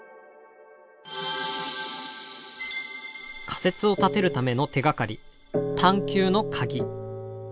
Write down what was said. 仮説を立てるための手がかり